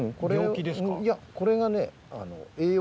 いやこれがね。